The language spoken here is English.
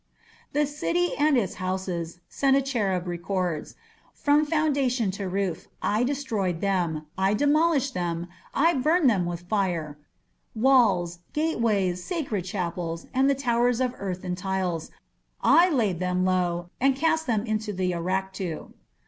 "The city and its houses," Sennacherib recorded, "from foundation to roof, I destroyed them, I demolished them, I burned them with fire; walls, gateways, sacred chapels, and the towers of earth and tiles, I laid them low and cast them into the Arakhtu."